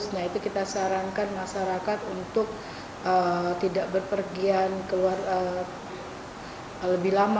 nah itu kita sarankan masyarakat untuk tidak berpergian keluar lebih lama